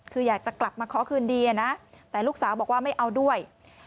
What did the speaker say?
คืออยากจะกลับมาขอคืนดีนะแต่ลูกสาวบอกว่าไม่เอาด้วย